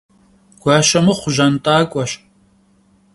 Guaşe mıxhu jant'ak'ueş ,